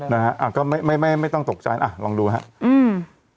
นะฮะอ่าก็ไม่ไม่ไม่ต้องตกใจอ่ะลองดูฮะอืม